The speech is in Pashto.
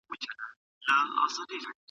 د خواله رسنیو زیانونه باید وڅېړل شي.